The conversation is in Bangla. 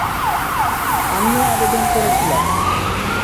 আমিও আবেদন করেছিলাম।